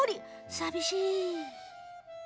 寂しい。